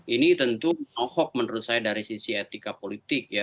ini tentu ahok menurut saya dari sisi etika politik ya